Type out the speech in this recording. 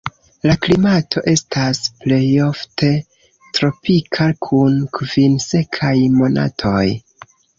La klimato estas plejofte tropika kun kvin sekaj monatoj.